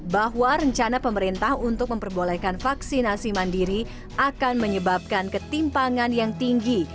bahwa rencana pemerintah untuk memperbolehkan vaksinasi mandiri akan menyebabkan ketimpangan yang tinggi